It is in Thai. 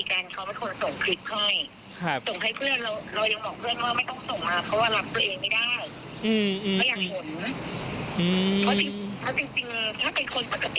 ส่งให้เพื่อนเรายังบอกเพื่อนว่าไม่ต้องส่งมาเพราะว่ารับตัวเองไม่ได้